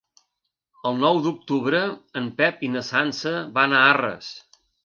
El nou d'octubre en Pep i na Sança van a Arres.